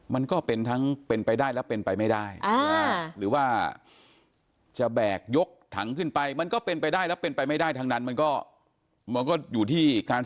มันก็เป็นทั้งเป็นไปได้หรือเป็นไปไม่ได้